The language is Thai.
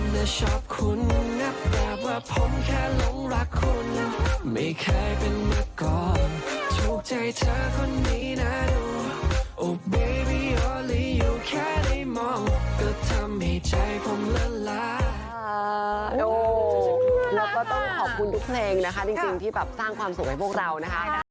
แล้วก็ต้องขอบคุณทุกเพลงนะคะจริงที่แบบสร้างความสุขให้พวกเรานะคะ